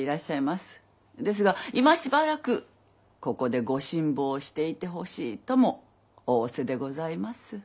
ですが今しばらくここでご辛抱していてほしいとも仰せでございます。